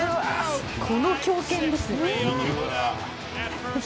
この強肩です。